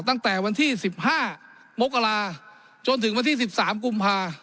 ตั้งแต่วันที่๑๕มกราจนถึงวันที่๑๓กุมภา